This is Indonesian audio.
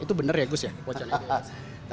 itu bener ya gus ya wacana itu